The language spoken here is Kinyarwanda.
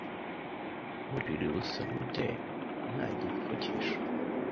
Uburiri busa bute nta gipfukisho?